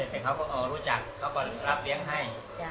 แต่เขาก็รู้จักเขาก็รับเลี้ยงให้